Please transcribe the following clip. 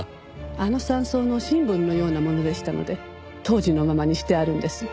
あの山荘のシンボルのようなものでしたので当時のままにしてあるんです。